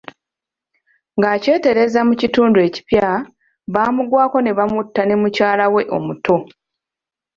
Nga akyetereeza mu kitundu ekipya, baamugwako ne bamutta ne mukyala we omuto.